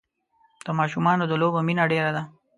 د ماشومان د لوبو مینه ډېره ده.